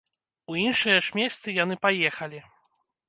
У іншыя ж месцы яны паехалі!